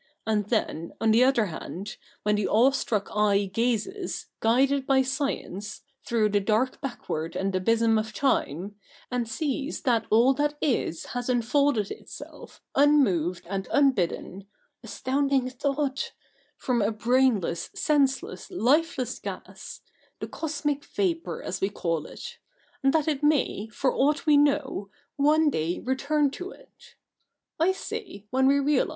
And then, on the other hand, when the awe struck eye gazes, guided by science, through the "dark backward and abysm of time," and sees that all that is has unfolded itself, unmoved and unbidden, (astounding thought 1) from a brainless, senseless, lifeless gas — the cosmic vapour, as we call it — and that it may, for aught we know, one day return to it — I say, when we realise, CH.